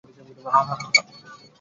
হ্যাঁ, হ্যাঁ, হ্যাঁ!